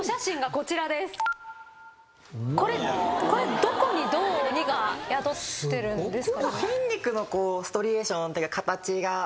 これどこにどう鬼が宿ってるんですかね。